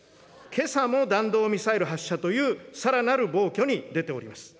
けさも弾道ミサイル発射という、さらなる暴挙に出ております。